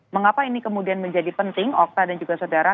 mengapa ini kemudian menjadi penting okta dan juga saudara